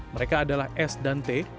mereka adalah s dan t